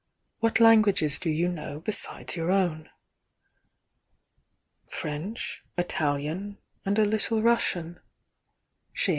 What languages do you know besides your own?" "French, Italian and a little Russian," she an I!